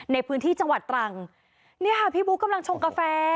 ในพื้นที่จังหวัดตรังเนี่ยค่ะพี่บุ๊คกำลังชงกาแฟ